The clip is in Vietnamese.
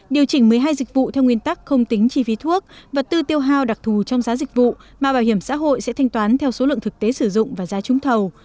điều chỉnh một mươi hai dịch vụ theo nguyên tắc không tính chi phí thuốc vật tư tiêu hao đặc thù trong giá dịch vụ mà bảo hiểm xã hội sẽ thanh toán theo số lượng thực tế sử dụng và giá trúng thầu